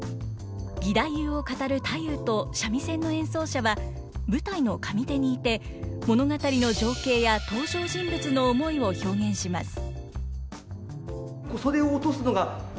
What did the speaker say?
義太夫を語る太夫と三味線の演奏者は舞台の上手にいて物語の情景や登場人物の思いを表現します。